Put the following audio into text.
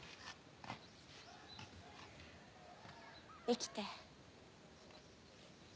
生きて。